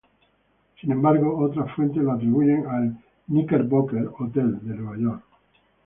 Sin embargo, otras fuentes lo atribuyen al Knickerbocker Hotel de Nueva York.